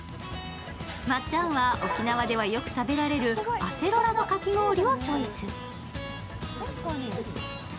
まっちゃんは沖縄ではよく食べられるアセロラのかき氷をチョイス。